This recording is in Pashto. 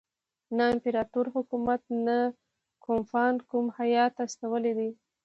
نه امپراطور حکومت نه کوفمان کوم هیات استولی دی.